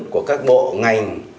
của các bộ ngành